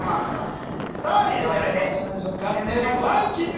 一体どんな問題なんでしょうかテーマランキング